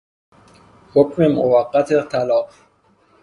حکم موقت طلاق